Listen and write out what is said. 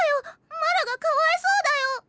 マルがかわいそうだよ！